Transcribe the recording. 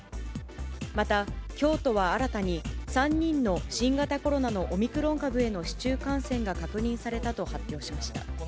また、京都は新たに、３人の新型コロナのオミクロン株への市中感染が確認されたと発表しました。